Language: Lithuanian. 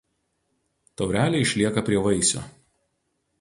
Taurelė išlieka prie vaisių.